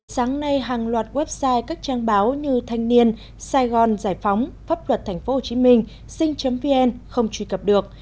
sáng nay hàng loạt website các trang báo như thanh niên sài gòn giải phóng pháp luật tp hcm sinh vn không truy cập được